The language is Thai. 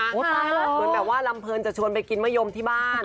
เหมือนแบบว่าลำเพลินจะชวนไปกินมะยมที่บ้าน